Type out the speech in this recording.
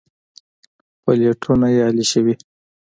پلېټونه يې الېشوي.